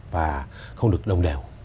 và không được đồng đều